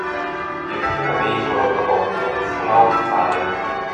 Il primo veicolo prodotto fu la Octavia.